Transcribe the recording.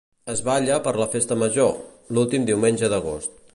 Es balla per la Festa Major, l'últim diumenge d'agost.